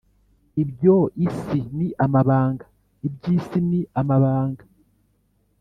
Ibyo isi ni amabanga. [Iby’isi ni amabanga.]